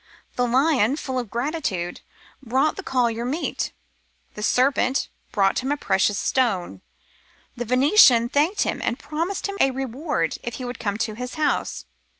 The lion, full of gratitude, brought the collier meat. The serpent brought him a precious stone. The Venetian thanked him and promised him a reward if he would come to his house.